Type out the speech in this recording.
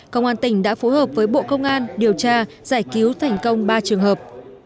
công an tỉnh đã phối hợp với bộ công an điều tra giải cứu thành công ba trường hợp